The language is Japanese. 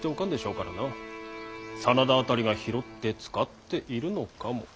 真田辺りが拾って使っているのかも。